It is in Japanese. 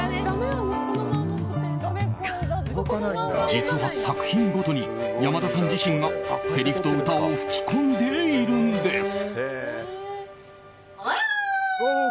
実は、作品ごとに山田さん自身がせりふと歌を吹き込んでいるんです。